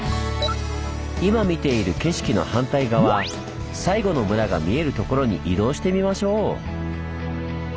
今見ている景色の反対側最後の村が見えるところに移動してみましょう！